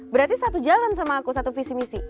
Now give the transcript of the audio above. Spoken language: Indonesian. berarti satu jalan sama aku satu visi misi